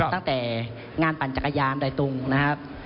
ตั้งแต่งานปั่นจักรยานโดยตรงนะครับ